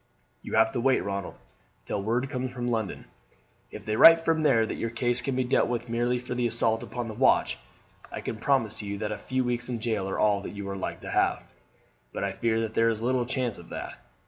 "You have to wait, Ronald, till word comes from London. If they write from there that your case can be dealt with merely for the assault upon the watch I can promise you that a few weeks in jail are all that you are like to have; but I fear that there is little chance of that.